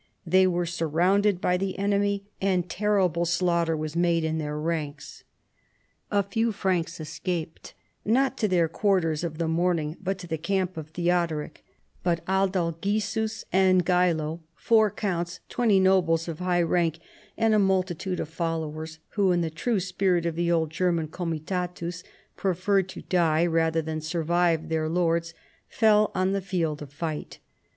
They were sur rounded by the enemy, and terrible slaughter was THE CONVERSION OF THE SAXONS. 153 made in their ranks. A few Franks escaped, not to their quarters of the morning, but to the camp of Theodoric ; but Adalgisus and Geilo, four counts, twenty nobles of high rank, and a multitude of followers, who, in the true spirit of the old German comitatiis, preferred to die rather than survive their lords, fell on the field of fight.